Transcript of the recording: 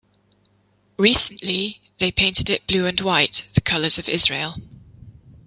Recently, they painted it blue and white, the colors of Israel.